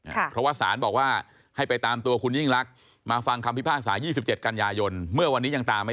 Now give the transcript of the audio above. เพราะว่าศาลบอกว่าให้ไปตามตัวยิ่งลักษณ์